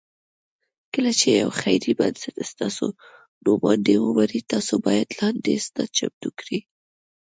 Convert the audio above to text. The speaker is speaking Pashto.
کله چې یو خیري بنسټ ستاسو نوماندۍ ومني، تاسو باید لاندې اسناد چمتو کړئ: